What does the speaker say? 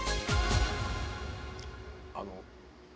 あの。